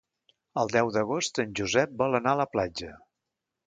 El deu d'agost en Josep vol anar a la platja.